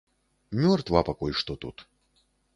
Мёртва пакуль што тут.